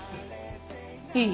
いい？